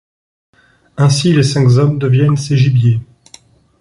Ainsi, les cinq hommes deviennent ses gibiers...